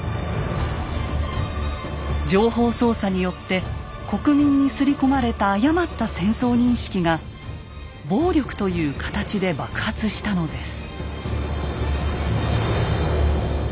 情報操作によって国民に刷り込まれた誤った戦争認識が暴力という形で爆発したのです。